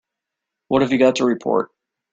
What have you got to report?